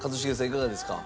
いかがですか？